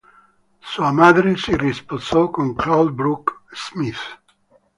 Sua madre si risposò con Claude Brooks Smith.